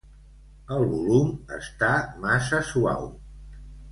El volum està massa suau.